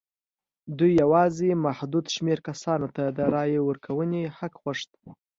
دوی یوازې محدود شمېر کسانو ته د رایې ورکونې حق غوښت.